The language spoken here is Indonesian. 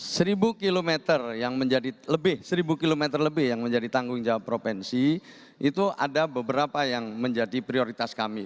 seribu km yang menjadi lebih seribu km lebih yang menjadi tanggung jawab provinsi itu ada beberapa yang menjadi prioritas kami